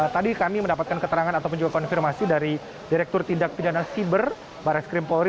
tadi kami mendapatkan keterangan ataupun juga konfirmasi dari direktur tindak pidana siber baris krimpolri